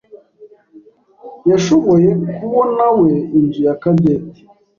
yashoboye kubonawe inzu ya Cadette.